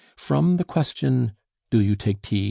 From the question, "Do you take tea?"